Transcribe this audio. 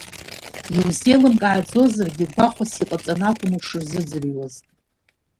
Иузеилымкааӡозаргьы гәахәас иҟаҵаны акәын ушырзыӡырҩуаз.